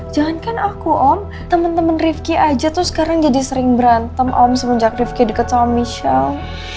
jangan kan aku om temen temen rifki aja tuh sekarang jadi sering berantem om semenjak rifki deket sama michelle